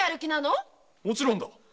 もちろんだ。